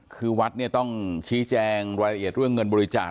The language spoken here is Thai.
คือวัดเนี่ยต้องชี้แจงรายละเอียดเรื่องเงินบริจาค